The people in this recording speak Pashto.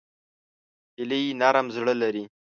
هیلۍ نرم زړه لري